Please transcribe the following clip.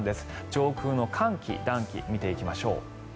上空の寒気、暖気見ていきましょう。